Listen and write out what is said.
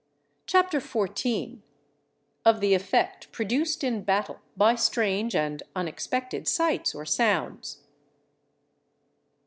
CHAPTER XIV.—_Of the effect produced in Battle by strange and unexpected Sights or Sounds.